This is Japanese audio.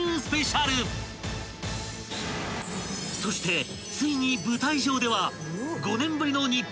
［そしてついに舞台上では］